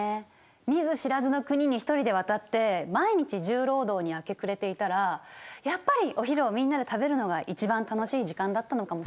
見ず知らずの国に一人で渡って毎日重労働に明け暮れていたらやっぱりお昼をみんなで食べるのが一番楽しい時間だったのかもしれないね。